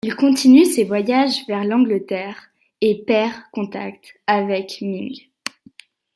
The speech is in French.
Il continue ses voyages vers l'Angleterre et perd contact avec Ming.